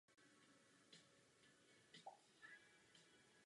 Keramika má na počátku tohoto časového období červený povrch s černým okrajem.